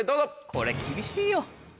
これ厳しいよ。